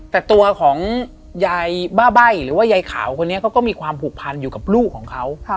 แต่ตัวของยายบ้าใบ้หรือว่ายายขาวคนนี้เขาก็มีความผูกพันอยู่กับลูกของเขา